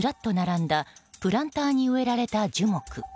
歩道にずらっと並んだプランターに植えられた樹木。